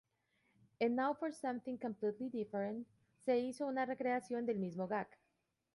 En "Now for Something Completely Different" se hizo una recreación del mismo gag.